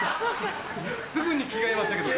すぐに着替えましたけど。